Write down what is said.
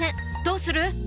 どうする？